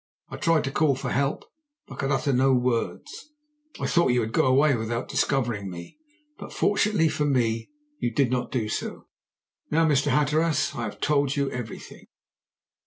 I tried to call for help, but could utter no words. I thought you would go away without discovering me, but fortunately for me you did not do so. Now, Mr. Hatteras, I have told you everything."